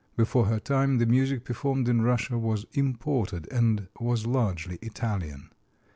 Before her time the music performed in Russia was imported, and was largely Italian.